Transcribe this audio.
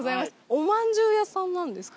おまんじゅう屋さんなんですか？